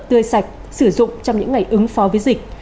tươi sạch sử dụng trong những ngày ứng phó với dịch